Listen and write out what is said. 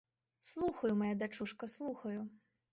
Слухаю, мая дачушка, слухаю.